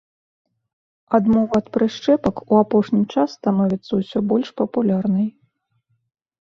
Адмова ад прышчэпак у апошні час становіцца ўсё больш папулярнай.